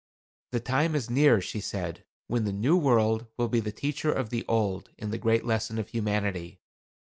"The time is near," she said, "when the New World will be the teacher of the Old in the great lesson of Humanity.